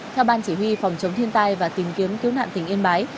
theo ban chỉ huy phòng chống thiên tai và tìm kiếm cứu nạn tỉnh yên bái